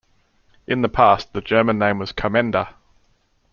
In the past the German name was "Commenda".